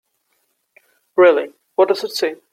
Really, what does it say?